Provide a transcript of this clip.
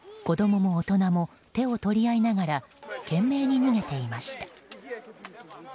子供も大人も手を取り合いながら懸命に逃げていました。